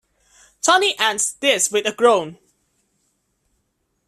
Tony ends this with a groan.